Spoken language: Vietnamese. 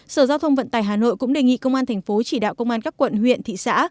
sở giao thông vận tải hà nội cũng đề nghị công an thành phố chỉ đạo công an các quận huyện thị xã